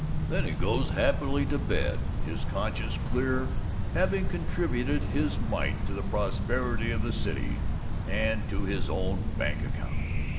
Then he goes happily to bed, his conscience clear, having contributed his mite to the prosperity of the city and to his own bank account.